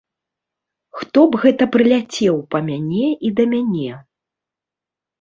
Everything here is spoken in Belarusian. Хто б гэта прыляцеў па мяне і да мяне?